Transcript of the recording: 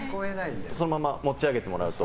そのまま持ち上げてもらうと。